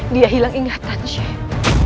dia hilang ingatan sheikh